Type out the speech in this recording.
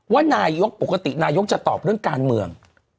ว่านายกปกตินายกจะตอบเรื่องการเมือง